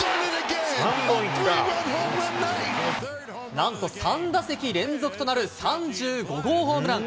なんと３打席連続となる３５号ホームラン。